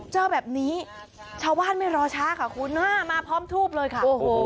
เจอแบบนี้ชาวบ้านไม่รอช้าค่ะคุณมาพร้อมทูบเลยค่ะโอ้โห